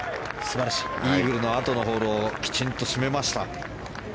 イーグルのあとのホールをきちんと締めました。